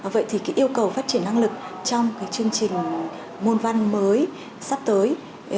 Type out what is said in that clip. vậy thì cái yêu cầu phát triển năng lực trong chương trình môn văn mới sắp tới